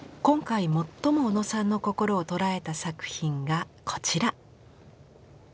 今回最も小野さんの心を捉えた作品がこちら。